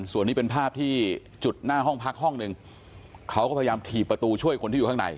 ส่วนนี้เป็นภาพที่จุดหน้าห้องพักห้องหนึ่งเขาก็พยายามถีบประตูช่วยคนที่อยู่ข้างใน